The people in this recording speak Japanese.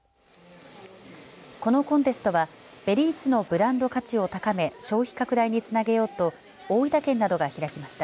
このコンテストはベリーツのブランド価値を高め消費拡大につなげようと大分県などが開きました。